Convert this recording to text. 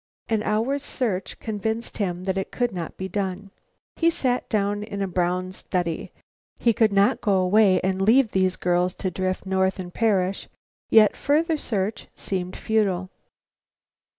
An hour's search convinced him that it could not be done. He sat down in a brown study. He could not go away and leave these girls to drift north and perish, yet further search seemed futile.